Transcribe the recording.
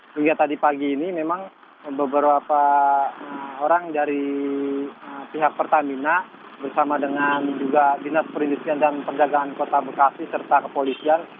hingga tadi pagi ini memang beberapa orang dari pihak pertamina bersama dengan juga dinas perindustrian dan perdagangan kota bekasi serta kepolisian